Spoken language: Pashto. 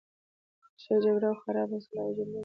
ښه جګړه او خرابه سوله وجود نه لري.